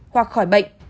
hoặc khỏi bệnh